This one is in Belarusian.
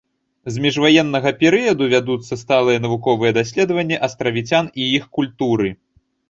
З міжваеннага перыяду вядуцца сталыя навуковыя даследаванні астравіцян і іх культуры.